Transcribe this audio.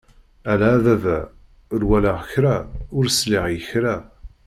Ala a baba ur walaɣ kra, ur sliɣ i kra!